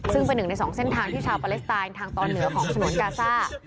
ซึ่งเป็นหนึ่งในสองเส้นทางที่ชาวปาเลสไตน์ทางตอนเหนือของฉนวนกาซ่า